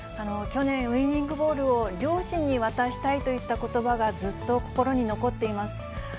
去年、ウイニングボールを両親に渡したいといったことばがずっと心に残っています。